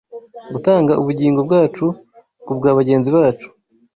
gutanga ubugingo bwacu kubwa bagenzi bacu